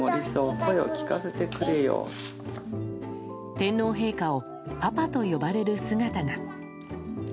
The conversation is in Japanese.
天皇陛下をパパと呼ばれる姿が。